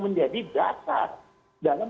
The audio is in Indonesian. menjadi dasar dalam